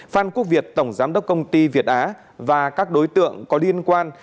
phan quốc việt tổng giám đốc công ty việt á và các đối tượng có liên quan